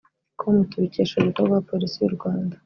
com tubikesha urubuga rwa Polisi y’u Rwanda